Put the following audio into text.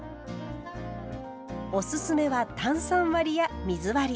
おすすめは炭酸割りや水割り。